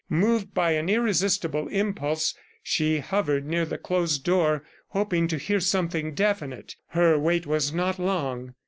Moved by an irresistible impulse, she hovered near the closed door, hoping to hear something definite. Her wait was not long.